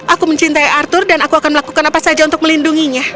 aku mencintai arthur dan aku akan melakukan apa saja untuk melindunginya